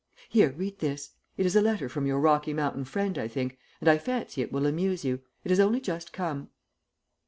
"Here, read this. It is a letter from your Rocky Mountain friend, I think, and I fancy it will amuse you. It has only just come."